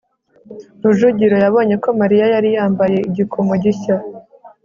rujugiro yabonye ko mariya yari yambaye igikomo gishya